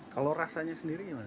kalau rasanya sendiri gimana